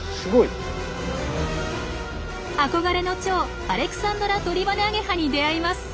憧れのチョウアレクサンドラトリバネアゲハに出会います。